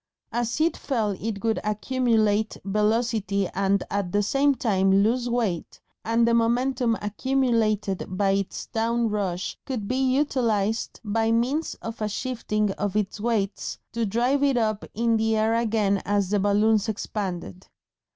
As it fell it would accumulate velocity and at the same time lose weight, and the momentum accumulated by its down rush could be utilised by means of a shifting of its weights to drive it up in the air again as the balloons expanded.